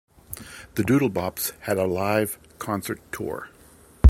The Doodlebops had a live concert tour.